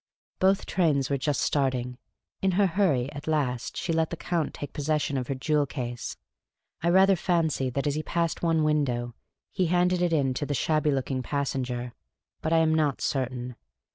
Both trains were just starting. In her hurry, at last, she let the Count take possession of her jewel case. I rather fancy that as he passed one window he handed it in to the shabby looking passenger; but I am not certain.